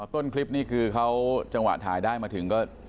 ต้นคลิปนี้คือเขาจังหวะถ่ายได้มาถึงก็